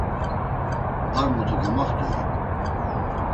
Ar mutu gamaxtui?